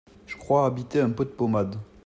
J’ crois habiter un pot d’ pommade.